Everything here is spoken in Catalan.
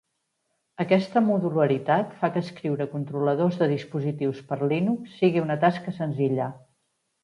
Aquesta modularitat fa que escriure controladors de dispositius per Linux sigui una tasca senzilla.